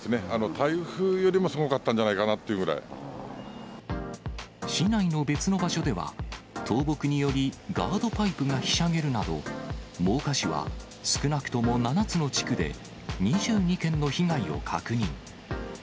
台風よりもすごかったんじゃない市内の別の場所では、倒木によりガードパイプがひしゃげるなど、真岡市は少なくとも７つの地区で、２２件の被害を確認。